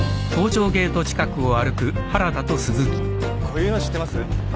こういうの知ってます？